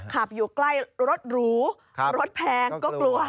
ขับอยู่ใกล้รถหรูรถแพงก็กลัว